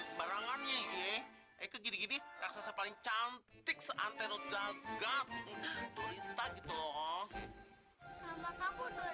syaratnya kamu harus memberikan bedak yang cantik seperti itu ke aku